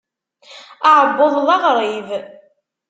Aɛebbuḍ d arɣib.